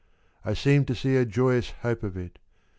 ... I seemed to see a joyous hope of it.